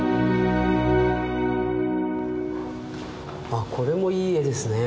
あこれもいい絵ですね。